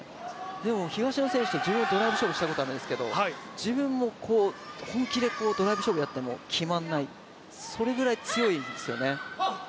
でも東野選手、自分は勝負したことないですけど、自分も本気でドライブ勝負やっても決まんない、それぐらい強いんですよね。